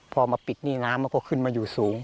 พอมาปิดนี่น้ำมันก็ขึ้นมาอยู่สูง